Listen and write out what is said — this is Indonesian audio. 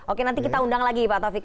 oke nanti kita undang lagi pak taufik